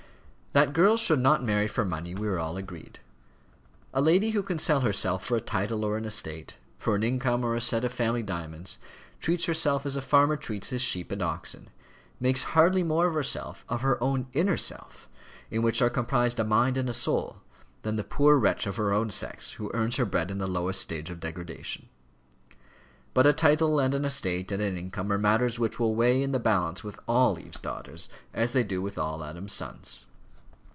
That girls should not marry for money we are all agreed. A lady who can sell herself for a title or an estate, for an income or a set of family diamonds, treats herself as a farmer treats his sheep and oxen makes hardly more of herself, of her own inner self, in which are comprised a mind and soul, than the poor wretch of her own sex who earns her bread in the lowest stage of degradation. But a title, and an estate, and an income, are matters which will weigh in the balance with all Eve's daughters as they do with all Adam's sons.